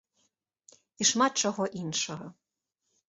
І шмат чаго іншага.